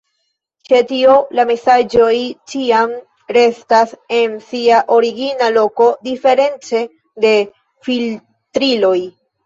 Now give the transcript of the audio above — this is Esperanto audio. Ĉe tio la mesaĝoj ĉiam restas en sia origina loko, diference de filtriloj.